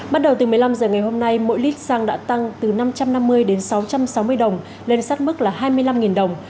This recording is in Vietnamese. bắt đầu từ một mươi năm h ngày hôm nay mỗi lít xăng đã tăng từ năm trăm năm mươi đến sáu trăm sáu mươi đồng lên sát mức là hai mươi năm đồng